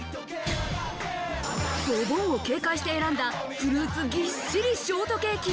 ドボンを警戒して選んだ、フルーツぎっしりショートケーキ。